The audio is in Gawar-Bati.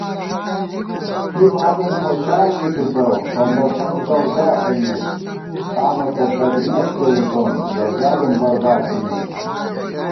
ݪِی بابېن خوشال بی تِتہ، فنڈہ ݪَک زؤوذات بِمېت * قامہ تہ دَگ نَݭ کېرِتون، زؤزادېن برباد بِمېت